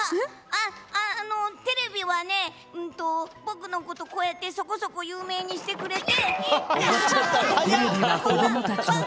ああの、テレビはね僕のことをこうやって、そこそこ有名にしてくれて。